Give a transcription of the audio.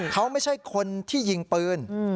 เขาไม่ใช่คนที่ยิงปืน